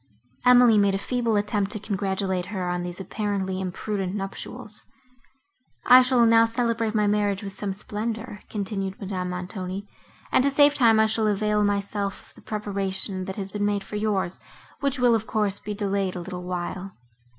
Emily made a feeble attempt to congratulate her on these apparently imprudent nuptials. "I shall now celebrate my marriage with some splendour," continued Madame Montoni, "and to save time I shall avail myself of the preparation that has been made for yours, which will, of course, be delayed a little while.